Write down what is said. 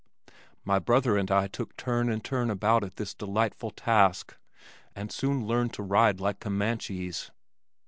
My brother and I took turn and turn about at this delightful task, and soon learned to ride like Comanches.